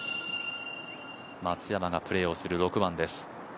松山がプレーをする６番です。